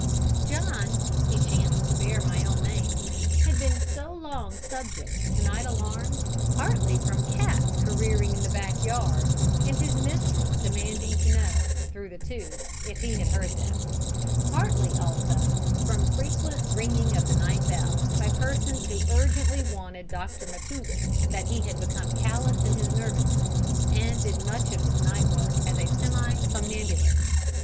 John he chanced to bear my own name had been so long subject to night alarms, partly from cats careering in the back yard, and his mistress demanding to know, through the tube, if he heard them; partly, also, from frequent ringing of the night bell, by persons who urgently wanted "Dr McTougall," that he had become callous in his nervous system, and did much of his night work as a semi somnambulist.